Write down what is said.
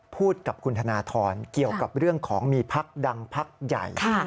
พูดกับคุณธนทรเกี่ยวกับเรื่องของมีพักดังพักใหญ่